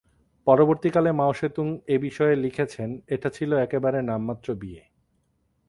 পরবর্তীকালে Mao Tse tung এবিষয়ে লিখেছিলেন- 'এটা ছিল একেবারে নামমাত্র বিয়ে।